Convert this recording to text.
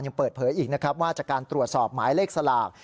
ยังเปิดเผยอีกนะครับว่าจากการตรวจสอบหมายเลขสลาก